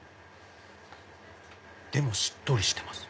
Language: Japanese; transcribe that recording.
でもしっとりしてます。